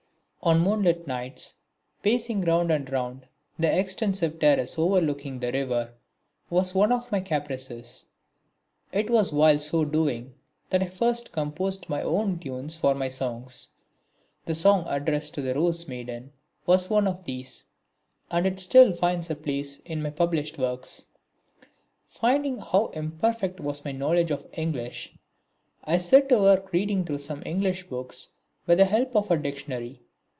On moonlight nights pacing round and round the extensive terrace overlooking the river was one of my caprices. It was while so doing that I first composed my own tunes for my songs. The song addressed to the Rose maiden was one of these, and it still finds a place in my published works. Finding how imperfect was my knowledge of English I set to work reading through some English books with the help of a dictionary.